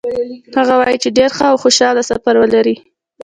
هغه وایي چې ډېر ښه او خوشحاله سفر ولرئ.